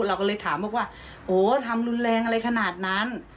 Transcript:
เราก็เลยถามบอกว่าโอ้ทำรุนแรงอะไรขนาดนั้น